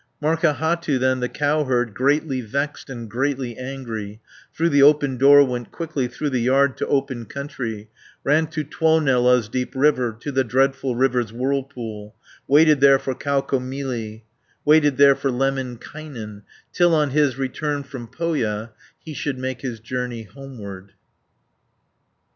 Markahattu then, the cowherd, Greatly vexed, and greatly angry, Through the open door went quickly, Through the yard to open country, Ran to Tuonela's deep river, To the dreadful river's whirlpool, 500 Waited there for Kaukomieli, Waited there for Lemminkainen, Till on his return from Pohja, He should make his journey homeward.